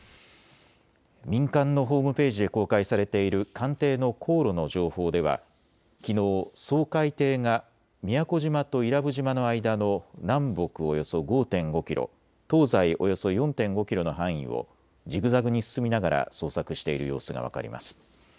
民間のホームページで公開されている艦艇の航路の情報ではきのう掃海艇が宮古島と伊良部島の間の南北およそ５．５キロ、東西およそ４．５キロの範囲をじぐざぐに進みながら捜索している様子が分かります。